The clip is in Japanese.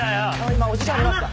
今お時間ありますか？